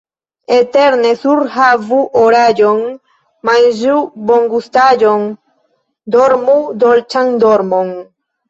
Eterne surhavu oraĵon, manĝu bongustaĵon, dormu dolĉan dormon!